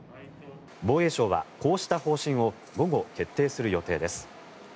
防衛省は、こうした方針を午後、決定する予定です。